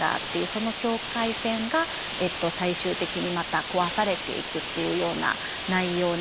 その境界線が最終的にまた壊されていくっていうような内容になっていました。